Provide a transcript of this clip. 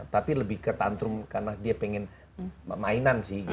tapi lebih ke tantrum karena dia pengen mainan sih